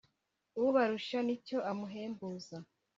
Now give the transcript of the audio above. Ubarusha n'icyo amuhembuza